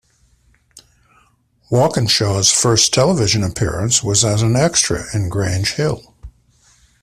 Walkinshaw's first television appearance was as an extra in "Grange Hill".